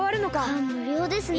かんむりょうですね。